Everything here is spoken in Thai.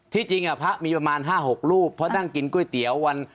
ที่จริงพระมีประมาณ๕๖รูปเพราะนั่งกินก๋วยเตี๋ยววัน